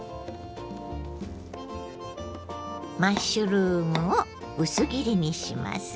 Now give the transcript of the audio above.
マッシュルームを薄切りにします。